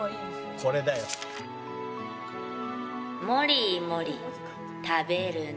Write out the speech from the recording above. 「これだよ」もりもりたべるね。